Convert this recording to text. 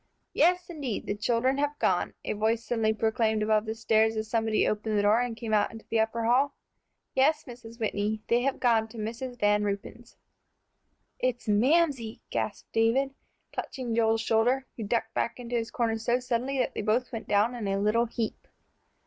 "Yes, indeed, the children have gone," a voice suddenly proclaimed above the stairs, as somebody opened the door and came out into the upper hall. "Yes, Mrs. Whitney, they have gone to Mrs. Van Ruypen's." "It's Mamsie," gasped David, clutching Joel's shoulders, who ducked back into his corner so suddenly that they both went down in a little heap.